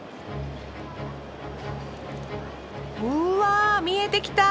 うわ見えてきた！